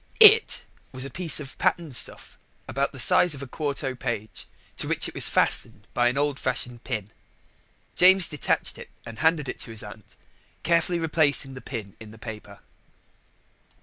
It was a piece of patterned stuff about the size of the quarto page, to which it was fastened by an old fashioned pin. James detached it and handed it to his aunt, carefully replacing the pin in the paper.